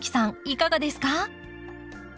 いかがですか？